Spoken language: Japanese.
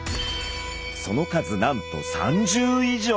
その数なんと３０以上。